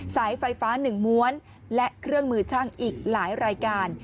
สายไฟฟ้าหนึ่งม้วนและเครื่องมือช่างอีกหลายรายการ